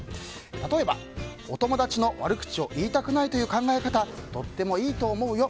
例えば、お友達の悪口を言いたくないという考え方とってもいいと思うよ。